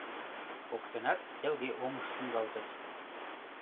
Коктынат келге омыш шуҥгалтыт.